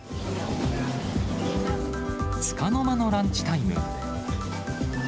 つかの間のランチタイム。